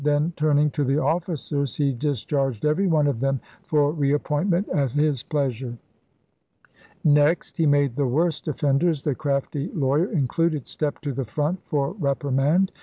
Then, turning to the officers, he discharged every one of them for re appointment at his pleasure. Next, he made the worst ojffenders, the *craftie lawyer' included, step to the front for reprimand.